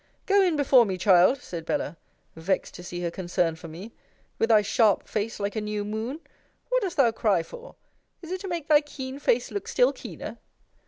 Go in before me, child, said Bella, [vexed to see her concern for me,] with thy sharp face like a new moon: What dost thou cry for? is it to make thy keen face look still keener?